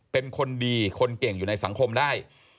เป็นคนดีคนเก่งอยู่ในสังคมได้